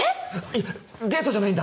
いやデートじゃないんだ